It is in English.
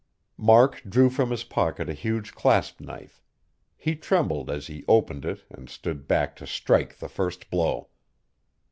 Mark drew from his pocket a huge clasp knife. He trembled as he opened it and stood back to strike the first blow.